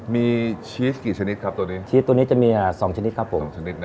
มีชีสกี่ชนิดครับตัวนี้ชีสตัวนี้จะมี๒ชนิดครับผมสองชนิดนะ